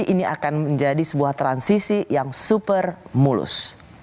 ini akan menjadi sebuah transisi yang super mulus